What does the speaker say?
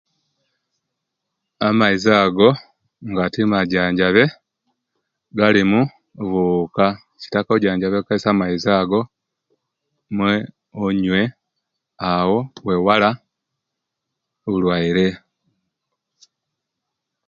Amaizi ago nga timajanjabye galimu obuwuka, kitaka ojanjabye kaisi amaizi ago me onywe, awo wewala obulwaire.